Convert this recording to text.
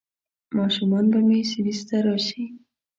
ماشومان به مې سویس ته راشي؟